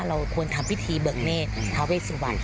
มันไม่ได้มีแล้ว